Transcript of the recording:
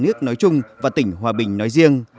tỉnh hòa bình nói chung và tỉnh hòa bình nói riêng